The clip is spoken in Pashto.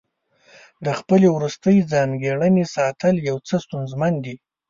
د خپلې وروستۍ ځانګړنې ساتل یو څه ستونزمن دي.